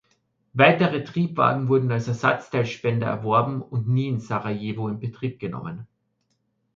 Weitere Triebwagen wurden als Ersatzteilspender erworben und nie in Sarajevo in Betrieb genommen.